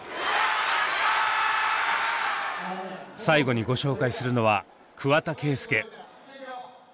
最後にご紹介するのは桑田佳祐。